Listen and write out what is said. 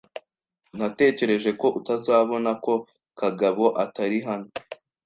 Natekereje ko utazabona ko Kagabo atari hano.